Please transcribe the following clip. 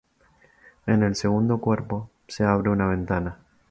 En el segundo cuerpo se abre una ventana.